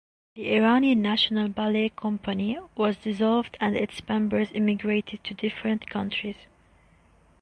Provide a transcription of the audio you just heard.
The Iranian national ballet company was dissolved and its members emigrated to different countries.